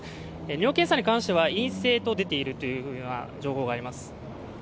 尿検査に関しては陰性と出ているというような情報があります。